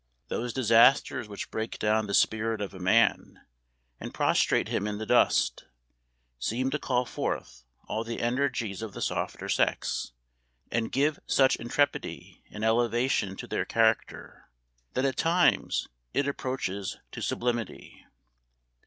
Those disasters which break down the spirit of a man, and prostrate him in the dust, seem to call forth all the energies of the softer sex, and give such intrepidity and elevation to their character, that at times it approaches to sublimity.